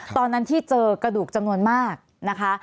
ตอนนั้นที่เจอกระดูกจำนวนมากนะคะ